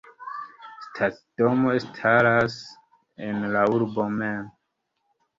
Stacidomo staras en la urbo mem.